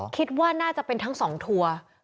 คิดว่าน่าจะเป็นทั้ง๒ทัวร์